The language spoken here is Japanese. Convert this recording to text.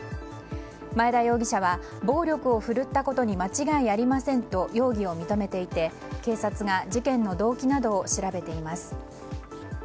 前田容疑者は暴力を振るったことに間違いありませんと容疑を認めていて警察が事件の動機などを調べています。